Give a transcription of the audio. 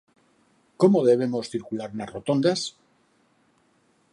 Como debemos circular nas rotondas?